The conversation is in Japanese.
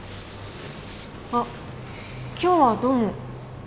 あっ今日はどうも。